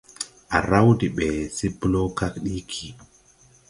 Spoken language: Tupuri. Á raw de ɓɛ se blɔɔ kag ɗiigi.